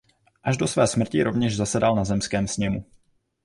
Až do své smrti rovněž zasedal na zemském sněmu.